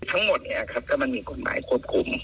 ทั้งหมดเนี่ยครับถ้ามันมีกฎหมายควบคุม